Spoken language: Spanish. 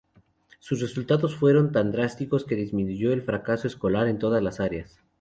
Sus resultados fueron tan drásticos que disminuyó el fracaso escolar en todas las áreas.